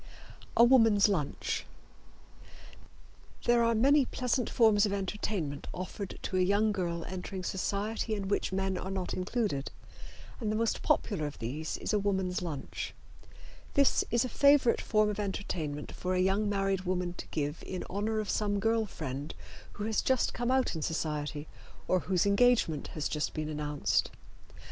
A Woman's Lunch. There are many pleasant forms of entertainment offered to a young girl entering society in which men are not included, and the most popular of these is a woman's lunch. This is a favorite form of entertainment for a young married woman to give in honor of some girl friend who has just come out in society or whose engagement has just been announced.